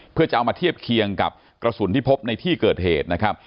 เพื่อจะเอามาเทียบเคียงกับกระสุนที่พบในที่เกิดเหตุนะครับ